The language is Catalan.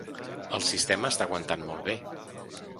El sistema està aguantant molt bé.